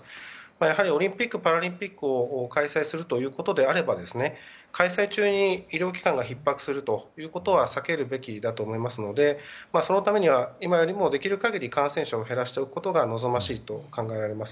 やはりオリンピック・パラリンピックを開催するということであれば開催中に医療機関がひっ迫するということは避けるべきだと思いますのでそのためには今よりも、できる限り感染者を減らしておくことが望ましいと考えられます。